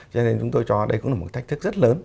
cho nên chúng tôi cho đây cũng là một thách thức rất lớn